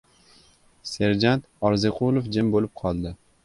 Serjant Orziqulov jim bo‘lib qoldi.